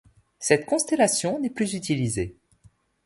Cette constellation n'est plus utilisée.